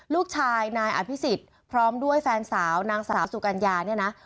ลูกชายนายอภิษฎพร้อมด้วยแฟนสาวนางสาวสุกัญญาเนี่ยนะ